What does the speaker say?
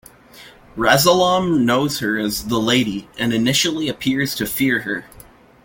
Rasalom knows her as The Lady, and initially appears to fear her.